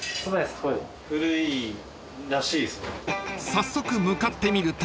［早速向かってみると］